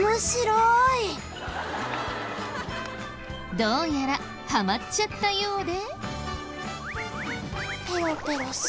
どうやらハマっちゃったようで。